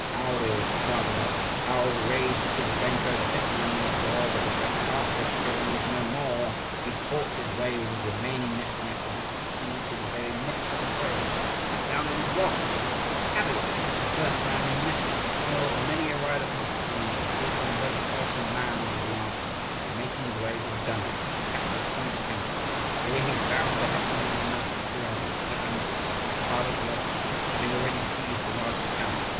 How they all started up! How raged Kukubenko, the hetman, when he saw that the best half of his kuren was no more! He fought his way with his remaining Nezamaikovtzi to the very midst of the fray, cut down in his wrath, like a cabbage, the first man he met, hurled many a rider from his steed, piercing both horse and man with his lance; and making his way to the gunners, captured some of the cannons. Here he found the hetman of the Oumansky kuren, and Stepan Guska, hard at work, having already seized the largest cannon.